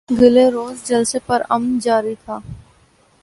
گلے روز جلسہ پر امن جاری تھا